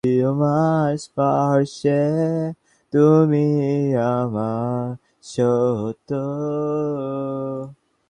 প্রতিদিন অসংখ্য ব্যবহারকারী যেমন ভিডিও রাখছেন, তেমনি আবার অনেকেই ভিডিও সেবা নিচ্ছেন।